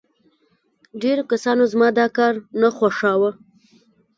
ډېرو کسانو زما دا کار نه خوښاوه